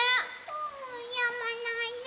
うんやまないね。